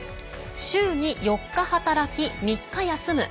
週に４日働き３日休む。